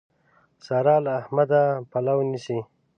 سارا له احمده پلو نيسي.